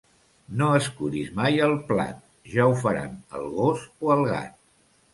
No escuris mai el plat: ja ho faran el gos o el gat.